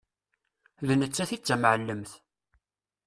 D nettat i d tamεellemt.